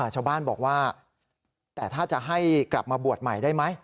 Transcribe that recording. ชาวบ้านบอกว่าแต่ถ้าจะให้กลับมาบวชใหม่ได้ไหม